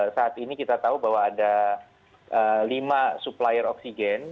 saat ini kita tahu bahwa ada lima supplier oksigen